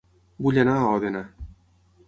Vull anar a Òdena